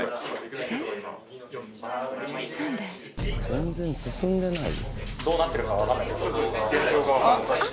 全然進んでない？